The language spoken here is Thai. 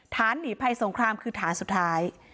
หนีภัยสงครามคือฐานสุดท้าย